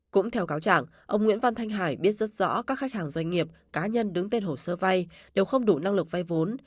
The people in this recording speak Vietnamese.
cũng theo cáo trạng ông nguyễn văn thanh hải biết rất rõ các khách hàng doanh nghiệp cá nhân đứng tên hồ sơ vay đều không đủ năng lực vay vốn